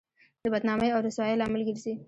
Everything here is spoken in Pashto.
د بدنامۍ او رسوایۍ لامل ګرځي.